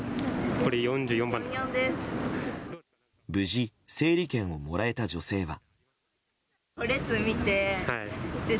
無事整理券をもらえた女性は。